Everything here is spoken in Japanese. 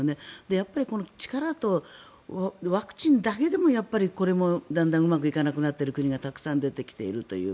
やっぱりこの力とワクチンだけでもこれもだんだんうまくいかなくなっている国がたくさん出てきているという。